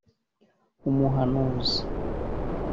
Umuhanuzi